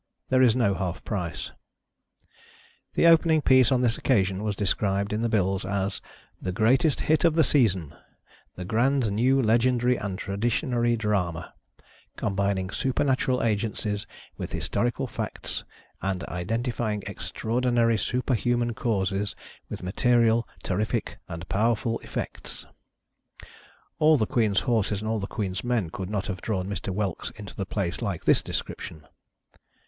There is no half price. The opening piece on this occasion was described in the bills as " The greatest hit of the season, the grand new legendary and traditionary drama, combining supernatural agencies with historical facts, and identifying extraordinary superhuman causes with material, terrific, and powerful effects." All the queen's horses and all the queen's men could not have drawn Mr. Whelks iato the place like this description.